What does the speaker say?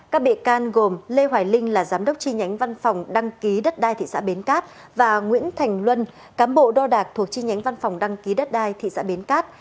các bị can gồm lê hoài linh là giám đốc chi nhánh văn phòng đăng ký đất đai thị xã bến cát và nguyễn thành luân cám bộ đo đạc thuộc chi nhánh văn phòng đăng ký đất đai thị xã bến cát